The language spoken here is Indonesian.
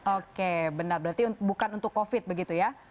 oke benar berarti bukan untuk covid begitu ya